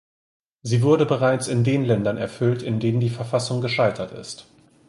Sie wurde bereits in den Ländern erfüllt, in denen die Verfassung gescheitert ist.